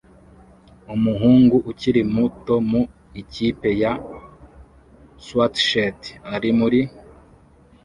Umuhungu ukiri muto mu ikipe ya swatshirt ari muri